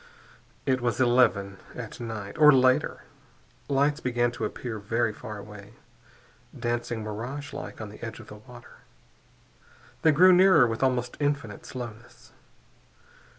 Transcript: It was eleven at night, or later. Lights began to appear, very far away, dancing miragelike on the edge of the water. They grew nearer with almost infinite slowness.